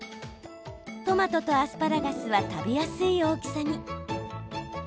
トマトとアスパラガスは食べやすい大きさに。